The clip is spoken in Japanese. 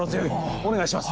お願いします。